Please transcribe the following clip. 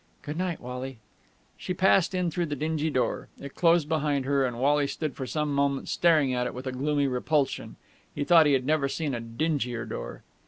"Good night, Wally." She passed in through the dingy door. It closed behind her, and Wally stood for some moments staring at it with a gloomy repulsion. He thought he had never seen a dingier door.